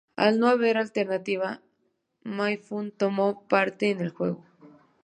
Al no haber alternativa, Mifune tomó parte en el juego.